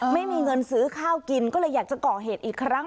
ไม่มีเงินซื้อข้าวกินก็เลยอยากจะก่อเหตุอีกครั้ง